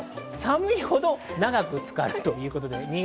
寒いほど長く浸かるということです。